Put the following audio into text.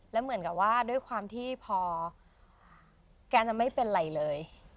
แล้วเหมือนกับว่าด้วยความที่พอแกจะไม่เป็นไรเลย